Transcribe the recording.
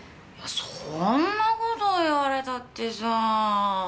そんなこと言われたってさあ。